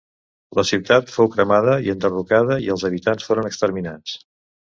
La ciutat fou cremada i enderrocada, i els habitants foren exterminats.